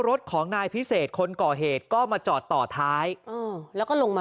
รถของนายพิเศษคนก่อเหตุก็มาจอดต่อท้ายแล้วก็ลงมา